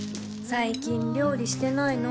最近料理してないの？